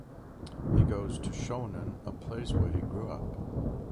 He goes to Shonan, a place where he grew up.